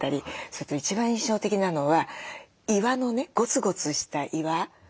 それと一番印象的なのは岩のねゴツゴツした岩この荒々しい感じ。